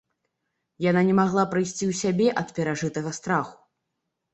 Яна не магла прыйсці ў сябе ад перажытага страху.